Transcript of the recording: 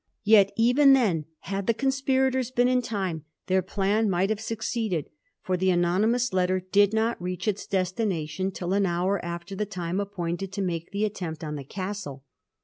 Yet even then, had the con spirators been in time, their plan might have suc ceeded ; for the anonymous letter did not reach its destination till an hour after the time appointed to make the attempt on the Castle.